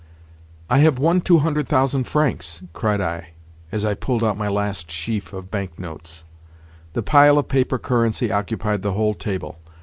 "I have won two hundred thousand francs!" cried I as I pulled out my last sheaf of bank notes. The pile of paper currency occupied the whole table.